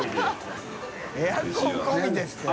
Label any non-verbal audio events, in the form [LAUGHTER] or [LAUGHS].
エアコン込みで」って [LAUGHS]